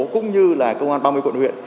cũng như là công an ba mươi quận huyện